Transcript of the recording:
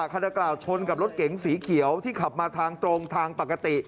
ขณะกล่าวชนกับรถเก๋งสีเขียวที่ขับมาทางตรงทางปกติ